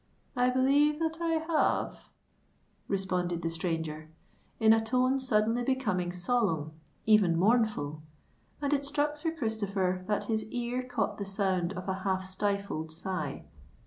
"I believe that I have," responded the stranger, in a tone suddenly becoming solemn—even mournful; and it struck Sir Christopher that his ear caught the sound of a half stifled sigh.